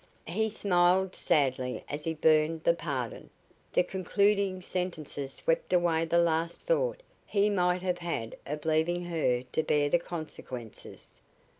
He smiled sadly as he burned the "pardon." The concluding sentences swept away the last thought he might have had of leaving her to bear the consequences.